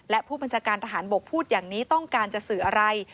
และผู้บัญชาการทหารบกพูดอย่างนี้ต้องการจะสื่ออะไร